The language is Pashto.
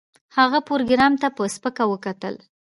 هغه پروګرامر ته په سپکه وکتل